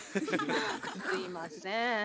すいません。